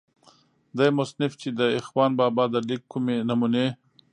دې مصنف چې دَاخون بابا دَليک کومې نمونې